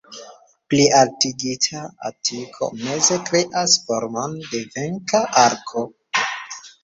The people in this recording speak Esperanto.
Plialtigita atiko meze kreas formon de venka arko.